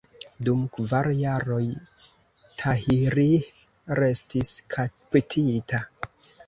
Dum kvar jaroj Tahirih restis kaptita.